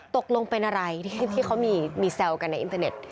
ตกลงเป็นอะไรที่เขามีแซวกันในอินเตอร์เน็ต